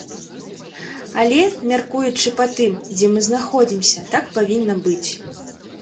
Але, мяркуючы па тым, дзе мы знаходзімся, так павінна быць.